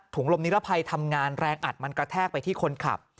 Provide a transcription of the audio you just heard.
ลมนิรภัยทำงานแรงอัดมันกระแทกไปที่คนขับ